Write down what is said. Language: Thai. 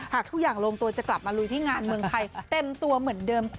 หากทุกอย่างลงตัวจะกลับมาลุยที่งานเมืองไทยเต็มตัวเหมือนเดิมค่ะ